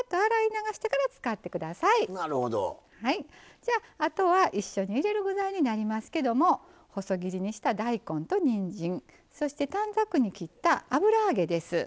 じゃああとは一緒に入れる具材になりますけども細切りにした大根とにんじんそして短冊に切った油揚げです。